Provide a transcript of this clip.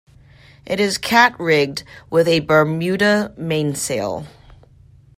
It is cat rigged with a Bermuda mainsail.